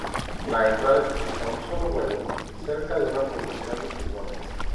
La hembra deposita un solo huevo cerca de una población de pulgones.